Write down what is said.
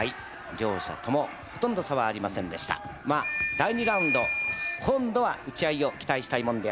第２ラウンド今度は打ち合いを期待したいもんであります。